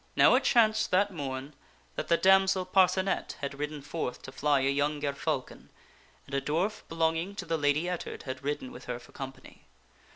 " Now it chanced that morn that the damsel Parcenet had ridden forth to fly a young gerfalcon, and a dwarf belonging to the Lady Ettard had ridden with her for company.